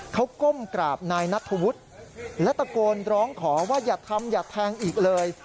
เขาก้มกราบนายนัทธวุฒิและตะโกนร้องขอว่าอย่าทำอย่าแทงอีกเลย